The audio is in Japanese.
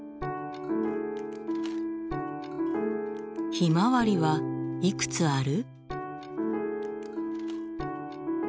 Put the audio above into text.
ひまわりはいくつある？